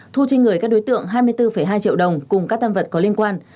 thu trên người các đối tượng hai mươi bốn hai triệu đồng cùng các tam vật có liên quan